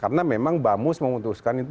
karena memang bamus memutuskan itu